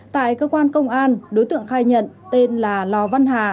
tại cơ quan công an đối tượng khai nhận tên là lò văn hà